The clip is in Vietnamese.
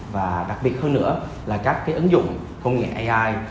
và đặc biệt hơn nữa là các ứng dụng công nghệ ai